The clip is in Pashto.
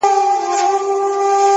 • خدای په ژړا دی، خدای پرېشان دی،